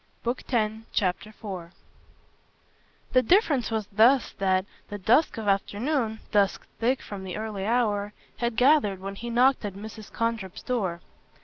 Book Tenth, Chapter 4 The difference was thus that the dusk of afternoon dusk thick from an early hour had gathered when he knocked at Mrs. Condrip's door.